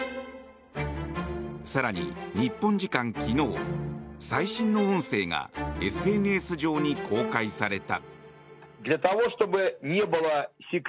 更に、日本時間昨日最新の音声がＳＮＳ上に公開された。